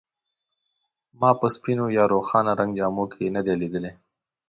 ما په سپینو یا روښانه رنګ جامو کې نه دی لیدلی.